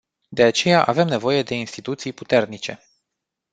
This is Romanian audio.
De aceea avem nevoie de instituții puternice.